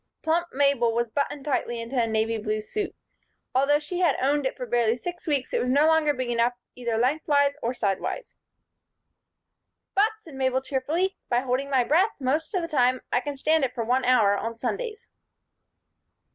Plump Mabel was buttoned tightly into a navy blue suit. Although she had owned it for barely six weeks it was no longer big enough either lengthwise or sidewise. "But," said Mabel, cheerfully, "by holding my breath most of the time I can stand it for one hour on Sundays."